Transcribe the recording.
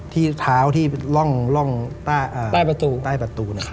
ที่เท้าที่ล่องต้ายประตู